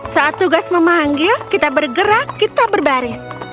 saat tugas memanggil kita bergerak kita berbaris